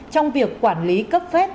trong việc quản lý cấp phép